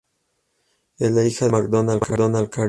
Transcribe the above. Es la hija del actor Macdonald Carey.